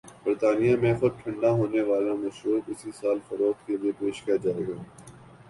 برطانیہ میں خود ٹھنڈا ہونے والا مشروب اسی سال فروخت کے لئے پیش کیاجائے گا۔